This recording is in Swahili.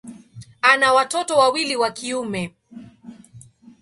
Ana watoto wawili wa kiume.